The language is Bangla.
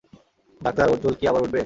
ডাক্তার, ওর চুল কী আবার উঠবে?